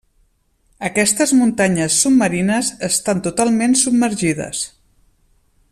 Aquestes muntanyes submarines estan totalment submergides.